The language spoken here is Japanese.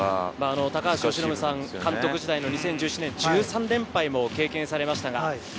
高橋由伸さん監督時代の２０１７年、１３連敗も経験しました。